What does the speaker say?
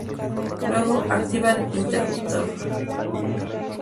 Luego activa el interruptor.